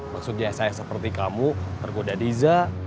maksudnya saya seperti kamu tergoda diza